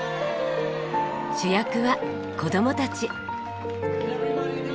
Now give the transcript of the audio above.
主役は子供たち。